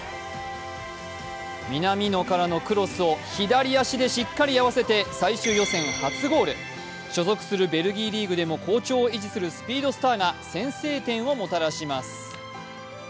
南野からのクロスを左足でしっかり合わせて最終予選初ゴール、所属するベルギーリーグでも好調を維持するスピードスターが先制点をもたらします。